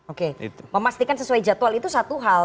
oke memastikan sesuai jadwal itu satu hal